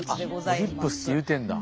リップスっていうてんだ。